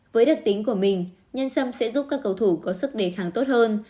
với đặc tính của mình nhân sâm sẽ giúp các cầu thủ có sức đề kháng tốt hơn